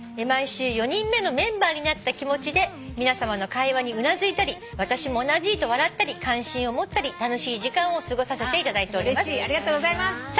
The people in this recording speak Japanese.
「毎週４人目のメンバーになった気持ちで皆さまの会話にうなずいたり私も同じ！と笑ったり関心を持ったり楽しい時間を過ごさせていただいております」